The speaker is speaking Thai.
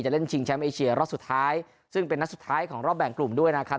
เล่นชิงแชมป์เอเชียรอบสุดท้ายซึ่งเป็นนัดสุดท้ายของรอบแบ่งกลุ่มด้วยนะครับ